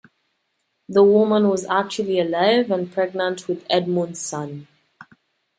The woman was actually alive and pregnant with Edmund's son.